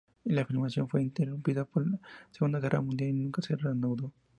La filmación fue interrumpida por la Segunda Guerra Mundial y nunca se reanudó.